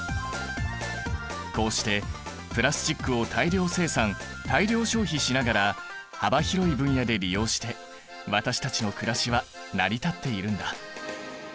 こうしてプラスチックを大量生産大量消費しながら幅広い分野で利用して私たちのくらしは成り立っているんだ。